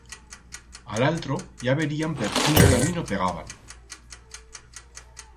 A l'altro ya veríam per quín camino pegábam.